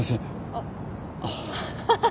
あっ。